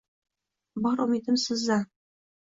Bor umidim sizdan